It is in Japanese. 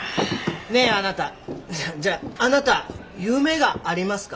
ねえあなたじゃああなた夢がありますか？